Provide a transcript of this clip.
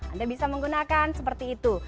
anda bisa menggunakan seperti itu